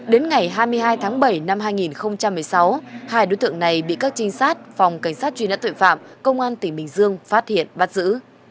đến ngày hai mươi hai tháng bảy năm hai nghìn một mươi sáu hai đối tượng này bị các trinh sát phòng cảnh sát truy nã tội phạm công an tỉnh bình dương phát hiện bắt giữ